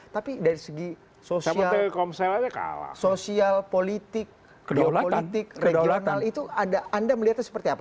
tapi dari segi sosial politik regional itu anda melihatnya seperti apa